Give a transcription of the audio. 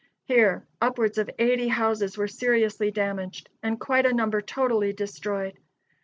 Here, upwards of eighty houses were seriously damaged, and quite a number totally destroyed.